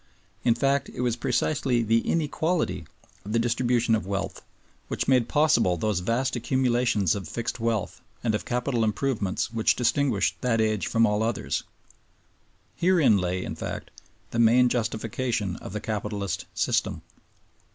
In fact, it was precisely the inequality of the distribution of wealth which made possible those vast accumulations of fixed wealth and of capital improvements which distinguished that age from all others. Herein lay, in fact, the main justification of the Capitalist System.